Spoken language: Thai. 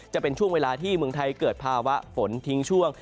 จะเป็นช่วงเวลาที่เมืองไทยเกิดภาวะฝนทิ้งช่วง